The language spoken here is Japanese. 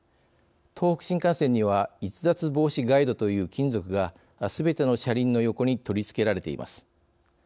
東北新幹線には逸脱防止ガイドという金属がすべての車輪の横に取り付けられています。